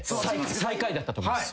最下位だったと思います。